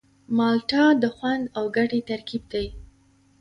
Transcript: مالټه د خوند او ګټې ترکیب دی.